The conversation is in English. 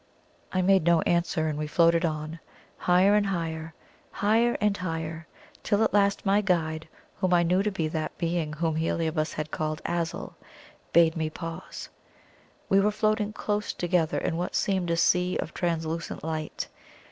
I made no answer, and we floated on. Higher and higher higher and higher till at last my guide, whom I knew to be that being whom Heliobas had called Azul, bade me pause. We were floating close together in what seemed a sea of translucent light.